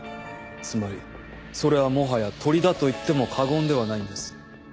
つまりそれはもはや鳥だといっても過言ではないんです。